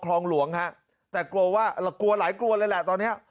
คลองหลวงฮะแต่กลัวว่ากลัวหลายกลัวเลยแหละตอนเนี้ย